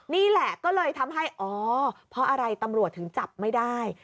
นี่แหละก็เลยทำให้อ๋อเพราะอะไรตำรวจถึงจับไม่ได้